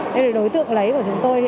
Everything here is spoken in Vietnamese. đây là đối tượng lấy của chúng tôi